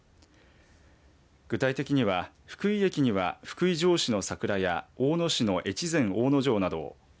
具体的には、福井駅には福井城址の桜や大野市の越前大野城などを。